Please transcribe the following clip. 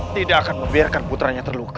tidak akan membiarkan putranya terluka